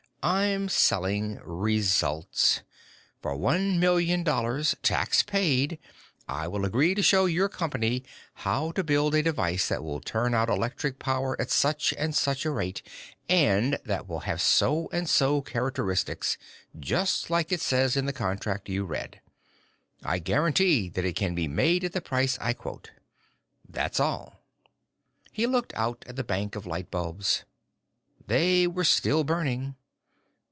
I'm selling results. For one million dollars, tax paid, I will agree to show your company how to build a device that will turn out electric power at such and such a rate and that will have so and so characteristics, just like it says in the contract you read. I guarantee that it can be made at the price I quote. That's all." He looked back out at the bank of light bulbs. They were still burning.